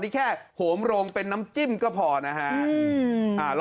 นี่แค่โหมโรงเป็นน้ำจิ้มก็พอนะฮะ